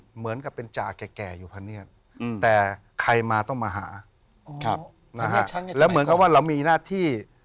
เหมือนกับเป็นจ่าแก่อยู่พะเนียดแต่ใครมาต้องมาหานะฮะแล้วเหมือนกับว่าเรามีหน้าที่